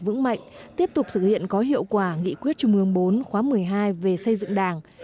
vững mạnh tiếp tục thực hiện có hiệu quả nghị quyết trung ương bốn khóa một mươi hai về xây dựng đảng